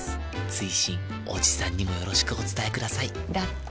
追伸おじさんにもよろしくお伝えくださいだって。